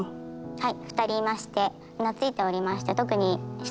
はい。